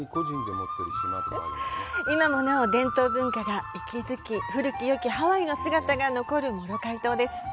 今もなお伝統文化が息づき、古きよきハワイの姿が残るモロカイ島です。